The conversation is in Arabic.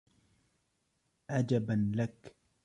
عجبا لك